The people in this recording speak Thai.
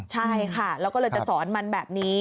ใช่ค่ะแล้วก็เลยจะสอนมันแบบนี้